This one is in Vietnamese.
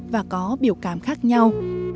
và có biểu cảm khác nhau